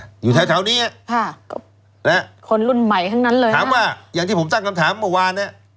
คนรุ่นใหม่ของนั้นเลยครับถามว่าอย่างที่ผมสร้างคำถามเมื่อวาน